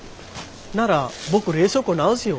なら僕冷蔵庫直すよ。